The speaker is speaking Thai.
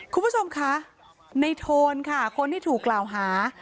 คุณผู้ชมคะในโทนค่ะคนที่ถูกกล่าวหา